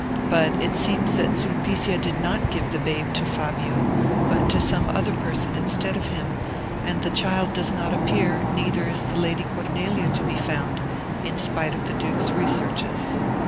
But it seems that Sulpicia did not give the babe to Fabio, but to some other person instead of him, and the child does not appear, neither is the Lady Cornelia to be found, in spite of the duke's researches.